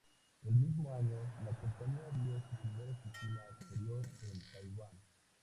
En el mismo año, la compañía abrió su primera oficina exterior en Taiwán.